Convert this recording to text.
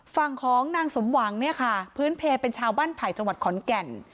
ฝั่งของนางสมหวังเนี่ยค่ะพื้นเพลเป็นชาวบ้านไผ่จังหวัดขอนแก่น